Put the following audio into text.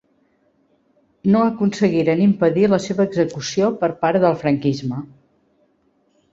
No aconseguiren impedir la seva execució per part del franquisme.